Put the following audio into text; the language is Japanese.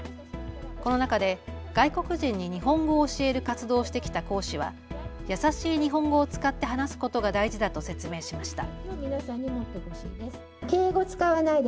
この中で外国人に日本語を教える活動をしてきた講師は易しい日本語を使って話すことが大事だと説明しました。